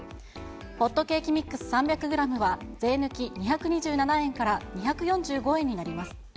ホットケーキミックス３００グラムは、税抜き２２７円から２４５円になります。